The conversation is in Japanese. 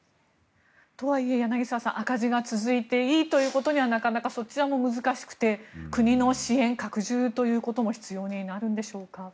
とはいえ柳澤さん赤字が続いていいということにはなかなか、そちらも難しくて国の支援拡充ということも必要になるんでしょうか。